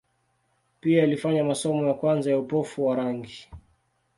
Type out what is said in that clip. Pia alifanya masomo ya kwanza ya upofu wa rangi.